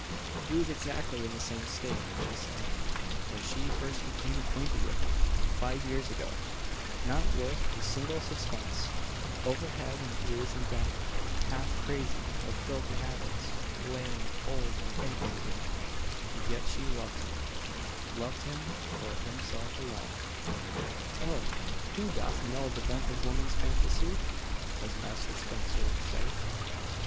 He was exactly in the same state, she said, when she first became acquainted with him, five years ago not worth a single sixpence, over head and ears in debt, half crazy, of filthy habits, lame, old, and impotent and yet she loved him loved him for himself alone. ("Oh! who doth know the bent of woman's phantasy?" as Master Spenser saith.)